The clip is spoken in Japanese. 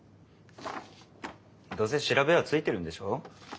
どうせ調べはついてるんでしょう？